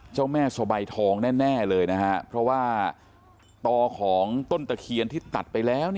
เจ้าแม่สบายทองแน่เลยนะฮะเพราะว่าต่อของต้นตะเคียนที่ตัดไปแล้ว